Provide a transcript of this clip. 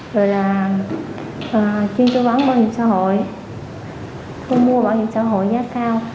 và chuyên sưu bán bảo hiểm xã hội thu mua bảo hiểm xã hội giá cao